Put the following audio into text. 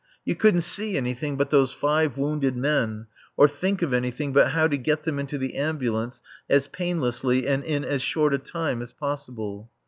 You couldn't see anything but those five wounded men, or think of anything but how to get them into the ambulance as painlessly and in as short a time as possible.